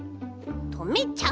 とめちゃう。